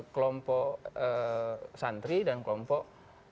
kelompok santri dan kelompok